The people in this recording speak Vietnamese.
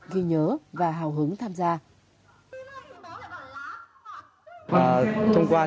ghi nhớ và hào hứng tham gia